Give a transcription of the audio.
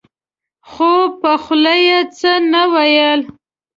خو په خوله يې څه نه ويل.